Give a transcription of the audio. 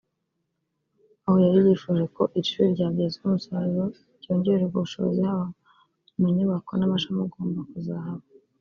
aho yari yifuje ko iri shuri ryabyazwa umusaruro ryongererwa ubushobozi haba mu nyubako n’amashami agomba kuzahaba